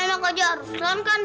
emang aja harus kan kan